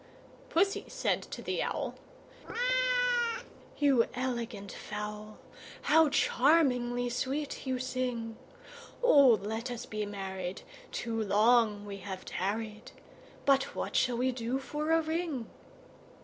II. Pussy said to the Owl, "You elegant fowl, How charmingly sweet you sing! Oh! let us be married; too long we have tarried: But what shall we do for a ring?"